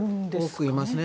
多くいますね。